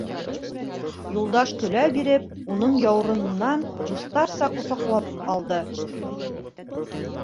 Юлдаш, көлә биреп, уның яурынынан дуҫтарса ҡосаҡлап алды: